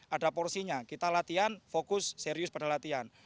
ada porsinya kita latihan fokus serius pada latihan